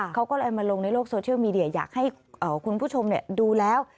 เขาก็เลยมาลงในโลกโซเชียลมีเดียอยากให้คุณผู้ชมดูแล้ว